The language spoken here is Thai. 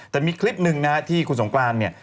แต่มีคลิปหนึ่งนะที่คุณสงกรานเนี่ย